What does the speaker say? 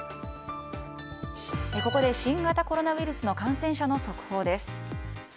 ここで新型コロナウイルスの感染者の速報です。